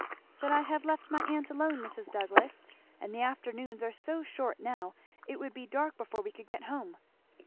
"But I have left my aunt alone, Mrs. Douglass; and the afternoons are so short now it would be dark before we could get home."